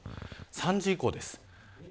３時以降です。